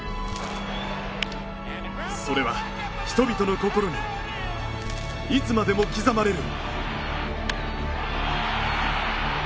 それは人々の心にいつまでも刻まれる。